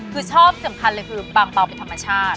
คือชอบสำคัญเลยคือปังเปล่าเป็นธรรมชาติ